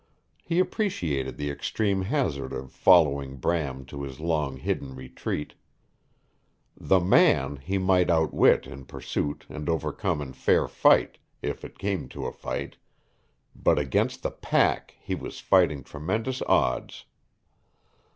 He appreciated the extreme hazard of following Bram to his long hidden retreat. The man he might outwit in pursuit and overcome in fair fight, if it came to a fight, but against the pack he was fighting tremendous odds.